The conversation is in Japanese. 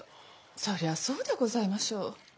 そりゃそうでございましょう。